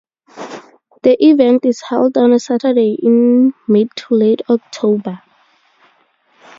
The event is held on a Saturday in mid-to-late-October.